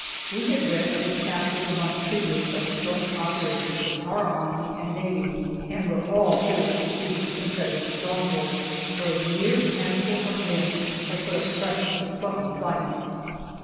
We had read of its capture the month previous by the joint operations of our army and navy, and were all curious to see this Confederate stronghold, where a mere handful of men had put up such a plucky fight.